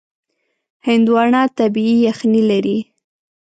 هندوانه طبیعي یخنۍ لري.